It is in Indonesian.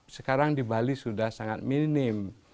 sekarang di bali sudah sangat minim